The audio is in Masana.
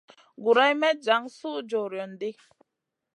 Guroyn may jan suh jorion ɗi.